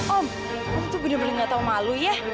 om tuh bener bener gak tau malu ya